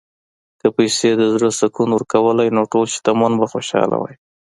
که پیسې د زړه سکون ورکولی، نو ټول شتمن به خوشاله وای.